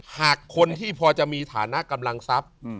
หากคนที่พอจะมีฐานะกำลังทรัพย์